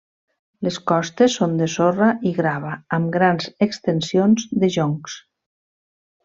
Les costes són de sorra i grava, amb grans extensions de joncs.